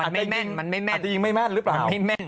อาจจะยิงไม่แม่งอาจจะยิงไม่แม่นรึเปล่า